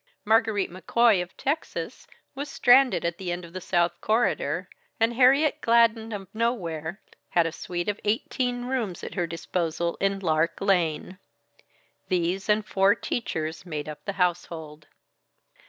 Margarite McCoy, of Texas, was stranded at the end of the South Corridor, and Harriet Gladden of Nowhere, had a suite of eighteen rooms at her disposal in "Lark Lane." These and four teachers made up the household.